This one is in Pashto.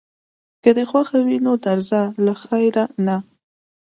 که دې خوښه وي نو درځه له خیره، نه.